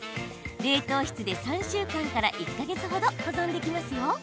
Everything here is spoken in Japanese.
冷凍室で３週間から１か月ほど保存できますよ。